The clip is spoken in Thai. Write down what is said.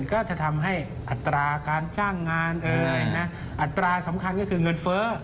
ก็จะทำให้อัตราการจ้างงานอัตราสำคัญก็คือเงินเฟ้อ